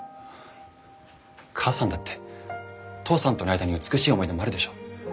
母さんだって父さんとの間に美しい思い出もあるでしょ？